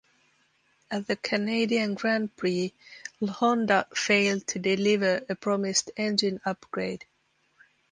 At the Canadian Grand Prix, Honda failed to deliver a promised engine upgrade.